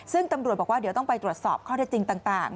ซึ่งตำรวจบอกว่าเดี๋ยวต้องไปตรวจสอบข้อเท็จจริงต่าง